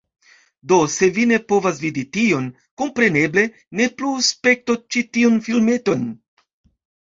Do, se vi ne povas vidi tion, kompreneble, ne plu spektu ĉi tiun filmeton.